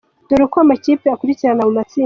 Dore uko amakipe akurikirana mu matsinda.